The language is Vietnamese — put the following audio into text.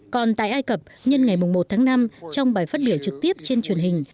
còn tại ai cập nhân ngày một tháng năm trong bài phát biểu trực tiếp trên truyền hình